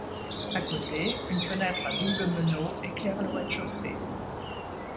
À côté, une fenêtre à doubles meneaux éclaire le rez-de-chaussée.